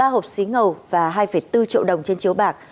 ba hộp xí ngầu và hai bốn triệu đồng trên chiếu bạc